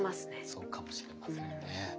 そうかもしれませんね。